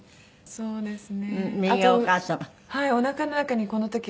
そうですね。